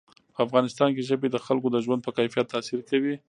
په افغانستان کې ژبې د خلکو د ژوند په کیفیت تاثیر کوي.